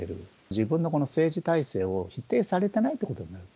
自分の政治体制を否定されてないということになる。